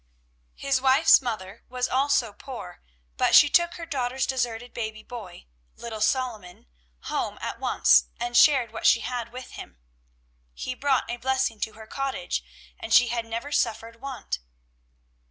His wife's mother was also poor, but she took her daughter's deserted baby boy, little Solomon, home at once and shared what she had with him. He brought a blessing to her cottage and she had never suffered want.